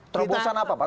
terobosan apa pak